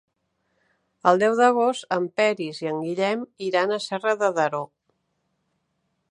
El deu d'agost en Peris i en Guillem iran a Serra de Daró.